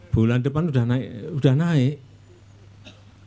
bulan depan sudah naik